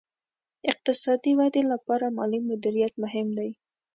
اقتصادي ودې لپاره مالي مدیریت مهم دی.